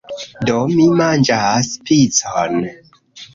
Do, mi manĝas picon!